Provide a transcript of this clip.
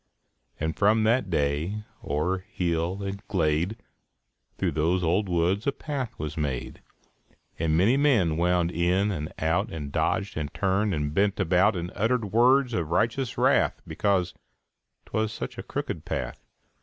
And from that day, oŌĆÖer hill and glade, Through those old woods a path was made; And many men wound in and out, And dodged, and turned, and bent about And uttered words of righteous wrath Because ŌĆśtwas such a crooked path.